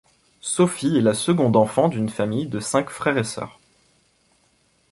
Sophie est la seconde enfant d'une famille de cinq frère et sœurs.